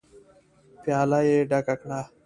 پياله يې ډکه کړه.